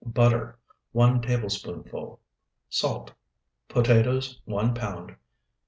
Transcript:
Butter, 1 tablespoonful. Salt. Potatoes, 1 pound.